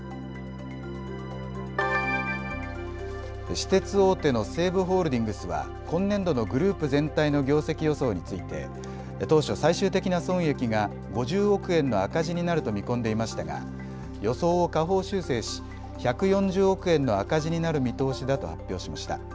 私鉄大手の西武ホールディングスは今年度のグループ全体の業績予想について当初、最終的な損益が５０億円の赤字になると見込んでいましたが予想を下方修正し１４０億円の赤字になる見通しだと発表しました。